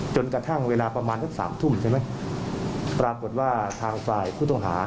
จนกระทั่งเวลาประมาณสักสามทุ่มใช่ไหมปรากฏว่าทางฝ่ายผู้ต้องหา